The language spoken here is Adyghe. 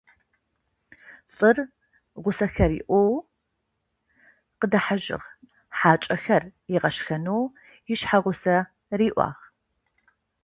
Лӏыр гъусэхэр иӏэу къыдэхьэжьыгъ, хьакӏэхэр ыгъэшхэнэу ишъхьэгъусэ риӏуагъ,.